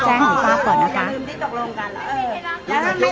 เห็นพวกเราคุ้มกันใช่ไหม